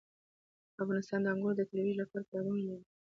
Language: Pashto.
افغانستان د انګور د ترویج لپاره پروګرامونه لري.